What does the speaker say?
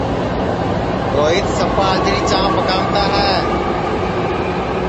روہیت سپا اجری چاں پکاوتا ہے